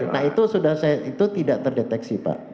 nah itu sudah saya itu tidak terdeteksi pak